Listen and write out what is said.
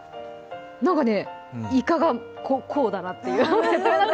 なんか、イカがこうだなっていう。